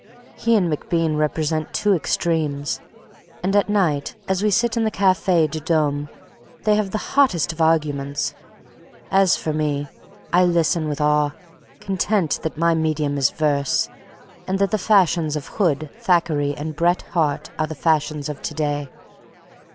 He and MacBean represent two extremes, and at night, as we sit in the Cafe du Dôme, they have the hottest of arguments. As for me, I listen with awe, content that my medium is verse, and that the fashions of Hood, Thackeray and Bret Harte are the fashions of to day.